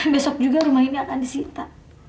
besok juga rumah ini akan disita